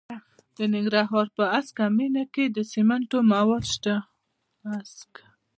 د ننګرهار په هسکه مینه کې د سمنټو مواد شته.